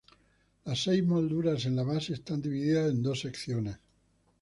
Las seis molduras en la base están divididas en dos secciones.